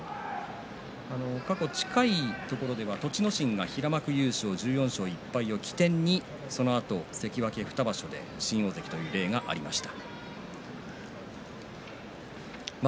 過去、近いところでは栃ノ心が平幕優勝１４勝１敗を起点にそのあと関脇２場所で昇進ということがありました。